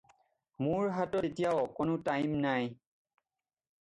মোৰ হাতত এতিয়া অকণো টাইম নাই।